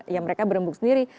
ya mereka berembuk sendiri